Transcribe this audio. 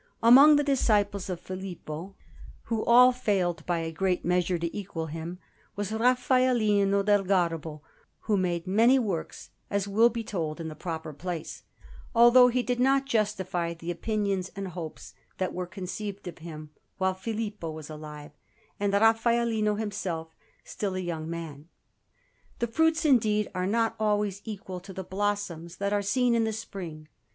Among the disciples of Filippo, who all failed by a great measure to equal him, was Raffaellino del Garbo, who made many works, as will be told in the proper place, although he did not justify the opinions and hopes that were conceived of him while Filippo was alive and Raffaellino himself still a young man. The fruits, indeed, are not always equal to the blossoms that are seen in the spring.